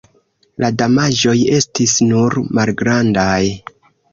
La damaĝoj estis nur malgrandaj.